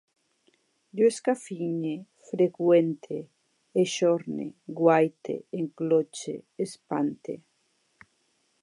Jo escafinye, freqüente, exorne, guaite, enclotxe, espante